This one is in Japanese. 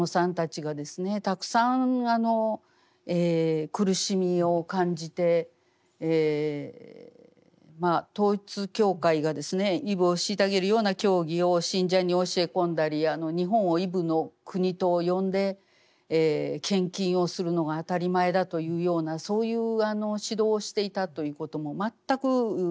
たくさん苦しみを感じて統一教会がですねイブを虐げるような教義を信者に教え込んだり日本をイブの国と呼んで献金をするのが当たり前だというようなそういう指導をしていたということも全く私は知らずに来ました。